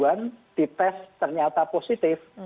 tujuan di tes ternyata positif